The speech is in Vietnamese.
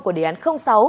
của đề án sáu